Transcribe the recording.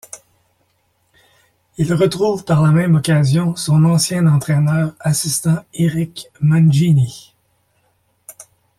Il retrouve, par la même occasion, son ancien entraineur assistant Eric Mangini.